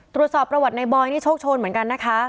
ตรวจสอบประวัติในบอยนี่โชคโชนเหมือนกันนะคะ